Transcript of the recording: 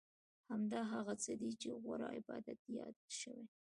همدا هغه څه دي چې غوره عبادت یاد شوی.